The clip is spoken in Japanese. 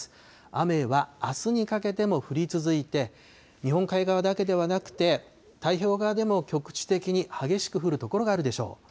雨はあすにかけても降り続いて、日本海側だけではなくて、太平洋側でも局地的に激しく降る所があるでしょう。